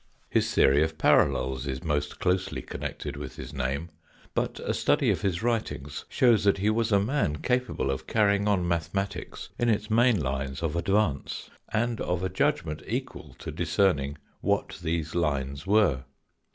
His theory of parallels is 42 THE FOURTH DIMENSION. closely connected with his name, but a study of his writings shows that he was a man capable of carrying on mathematics in its main lines of advance, and of a judgment equal to discerning what these lines were.